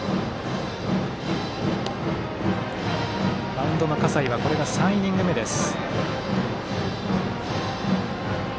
マウンドの葛西はこれが３イニング目です。